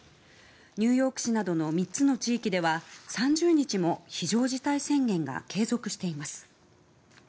ニューヨーク市などの３つの地域では３０日も非常事態宣言が継続しています。